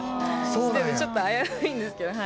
ちょっと危ういんですけど。